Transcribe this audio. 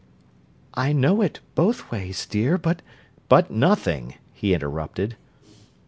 "I know it, both ways, dear, but...." "But nothing!" he interrupted.